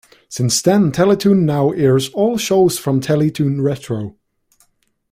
Since then, Teletoon now airs all shows from Teletoon Retro.